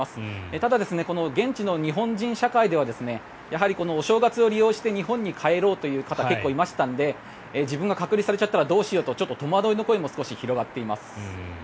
ただ、現地の日本人社会ではやはりお正月を利用して日本に帰ろうという方が結構いましたので自分が隔離されちゃったらどうしようとちょっと戸惑いの声も少し広がっています。